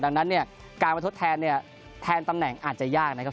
ดังนั้นเนี่ยการมาทดแทนเนี่ยแทนตำแหน่งอาจจะยากนะครับ